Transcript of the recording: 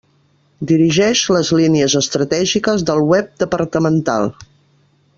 Dirigeix les línies estratègiques del web departamental.